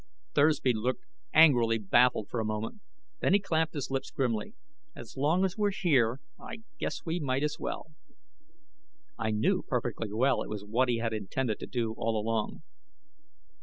Thursby looked angrily baffled for a moment, then he clamped his lips grimly. "As long as we're here, I guess we might as well." I knew perfectly well it was what he had intended to do all along.